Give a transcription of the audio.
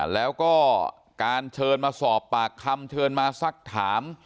แล้วก็การเชิญมาสอบปากคำเชิญมาสักถาม